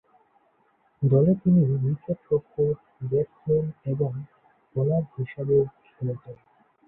দলে তিনি উইকেট-রক্ষক, ব্যাটসম্যান এবং বোলার হিসেবেও খেলেছেন।